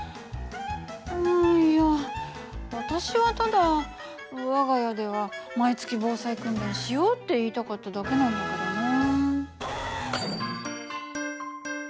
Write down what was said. あいや私はただ我が家では毎月防災訓練しようって言いたかっただけなんだけどな。